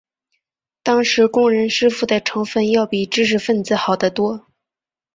当时工人师傅的成分要比知识分子好得多。